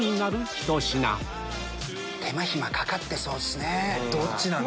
ひと品手間暇かかってそうっすね。